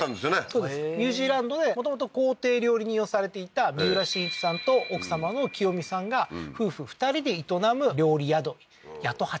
そうですニュージーランドでもともと公邸料理人をされていた三浦心一さんと奥さまの紀代美さんが夫婦２人で営む料理宿八十八